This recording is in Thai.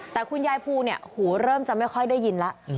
แต่คุณยายภูเนี่ยหูเริ่มจะไม่ค่อยได้ยินแล้ว